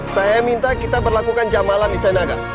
saya minta kita berlakukan jamalan di senaga